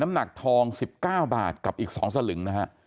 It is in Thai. หนักทอง๑๙บาทกับอีก๒สลึงนะฮะ